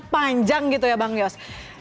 ini kan panjang gitu ya bang yos